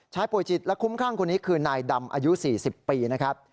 ป่วยจิตและคุ้มข้างคนนี้คือนายดำอายุ๔๐ปีนะครับ